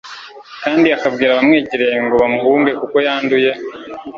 kandi akabwira abamwegereye ngo bamuhunge kuko yanduye.